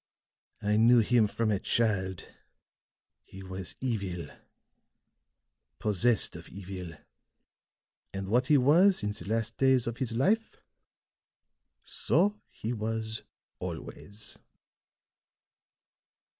"I knew him from a child. He was evil possessed of evil; and what he was in the last days of his life, so he was always."